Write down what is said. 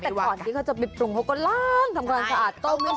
แต่ก่อนที่เค้าจะปิดปรุงเค้าก็ล้างทำการสะอาดโต้ไม่สุดแล้ว